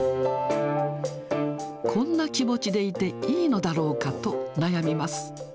こんな気持ちでいていいのだろうかと悩みます。